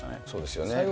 そうですよね。